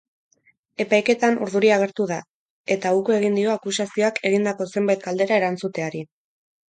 Epaiketan urduri agertu da eta uko egin dio akusazioak egindako zenbait galdera erantzuteari.